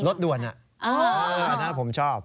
รสด่วนอะผมชอบ